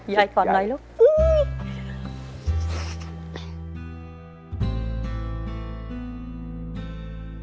ยายกอดหน่อยลูก